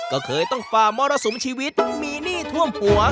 ก็เคยต้องฝ่ามรสุมชีวิตมีหนี้ท่วมหัว